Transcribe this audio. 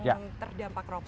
yang terdampak rop